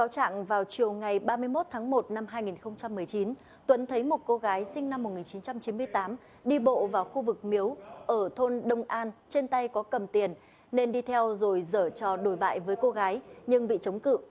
trước ngày ba mươi một tháng một năm hai nghìn một mươi chín tuấn thấy một cô gái sinh năm một nghìn chín trăm chín mươi tám đi bộ vào khu vực miếu ở thôn đông an trên tay có cầm tiền nên đi theo rồi dở trò đồi bại với cô gái nhưng bị chống cự